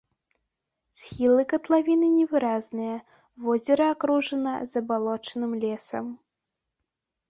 Схілы катлавіны невыразныя, возера акружана забалочаным лесам.